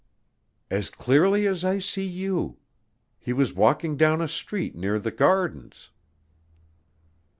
"As clearly as I see you. He was walking down a street near the Gardens."